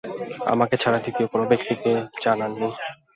আমাকে ছাড়া দ্বিতীয় কোনো ব্যক্তিকে জানান নি।